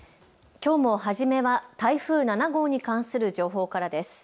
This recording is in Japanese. きょうも初めは台風７号に関する情報からです。